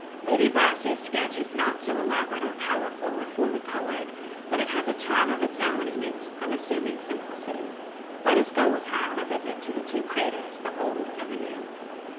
Lady Brassey's sketch is not so elaborate or powerful or fully coloured, but it has a charm of its own in its unassuming simplicity. Let us go with her on a visit to the two craters, the old and the new.